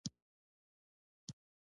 ایا ستاسو کتابونه لوستل شوي دي؟